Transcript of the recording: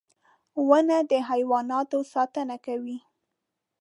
• ونه د حیواناتو ساتنه کوي.